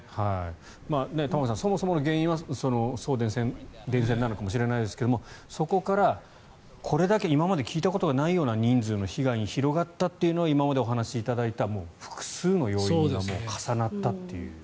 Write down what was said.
玉川さん、そもそもの原因は送電線かもしれないですがそこからこれだけ今まで聞いたことがないような人数の被害に広がったというのは今までお話しいただいた複数の要因が重なったという。